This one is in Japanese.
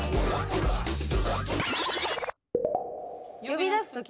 呼び出す時？